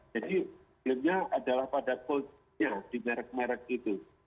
jadi filmnya adalah pada posnya di merk merk itu